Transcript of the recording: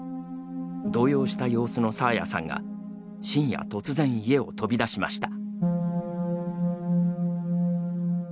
動揺した様子の爽彩さんが、深夜突然、家を飛び出しました。